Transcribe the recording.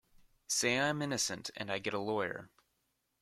Say I am innocent and I get a lawyer.